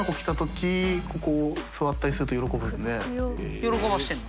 喜ばせてるの？